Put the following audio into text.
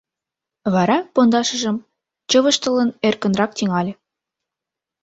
Вара, пондашыжым чывыштылын, эркынрак тӱҥале: